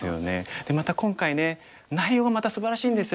でまた今回ね内容がまたすばらしいんですよ。